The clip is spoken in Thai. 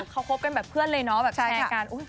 เขาคบกันแบบเพื่อนเลยเนาะแบบแชร์กัน